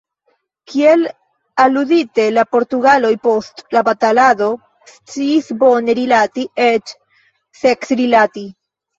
Kiel aludite, la portugaloj post la batalado sciis bone rilati, eĉ seksrilati.